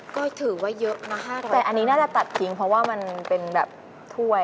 ก็ถือว่าเยอะนะ๕๐๐แต่อันนี้น่าจะตัดทิ้งเพราะว่ามันเป็นแบบถ้วย